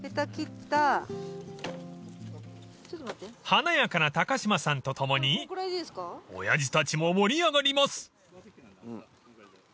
［華やかな高島さんと共に親父たちも盛り上がります］